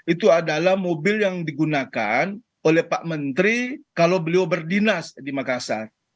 itu adalah mobil yang digunakan oleh pak menteri kalau beliau berdinas di makassar